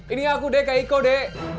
ini aku de kak iko de